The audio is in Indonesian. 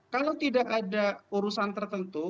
kalau tidak ada urusan tertentu